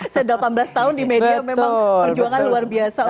saya delapan belas tahun di media memang perjuangan luar biasa